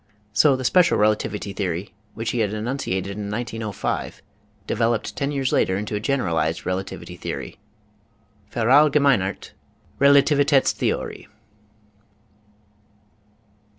,So the special rela tivity theory which he had enunciated in 1905 devel oped ten years later into a generalized relativity theory ( Vercdlgemeinerte Relativitdtstheorie)